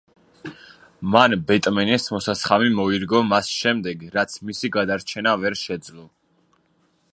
მან ბეტმენის მოსასხამი მოირგო მას შემდეგ, რაც მისი გადარჩენა ვერ შეძლო.